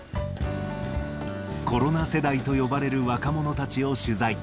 コロナ世代と呼ばれる若者たちを取材。